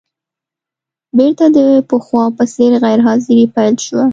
بېرته د پخوا په څېر غیر حاضري پیل شوه.